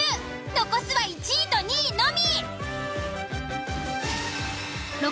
残すは１位と２位のみ！